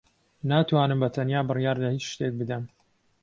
ناتوانم بەتەنیا بڕیار لە ھیچ شتێک بدەم.